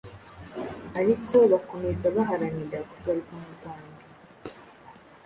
ariko bakomeza baharanira kugaruka mu Rwanda